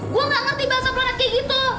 gua gak ngerti bahasa pelan kayak gitu